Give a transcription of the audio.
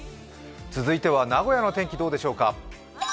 続いては名古屋の天気どうでしょうか？